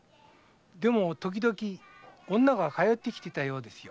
でもときどき女が通ってきてたようですよ。